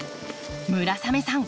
村雨さん